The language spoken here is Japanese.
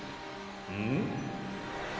うん？